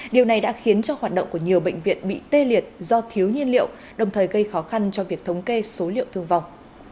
điều này đã khiến cho hoạt động của nhiều bệnh viện bị tê liệt do thiếu nhiên liệu đồng thời gây khó khăn cho việc thống kê số liệu thương vong